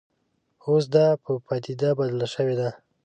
اوس دا په پدیده بدله شوې ده